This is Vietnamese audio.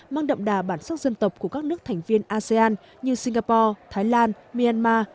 mang đậm đà bản sắc dân tộc của các nước thành viên asean như singapore thái lan myanmar